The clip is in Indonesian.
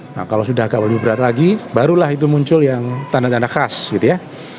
nah kalau sudah agak lebih berat lagi barulah itu muncul yang tanda tanda khas gitu ya